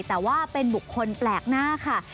แต่ว่าเป็นบุคคลแปลกหน้าค่ะ